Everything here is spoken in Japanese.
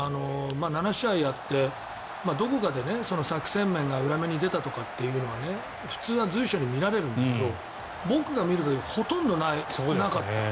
７試合やって、どこかで作戦面が裏目に出たとかっていうのは普通は随所に見られるんだけど僕が見る限りほとんどなかった。